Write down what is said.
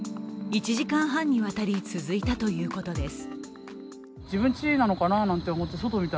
１時間半にわたり続いたということです。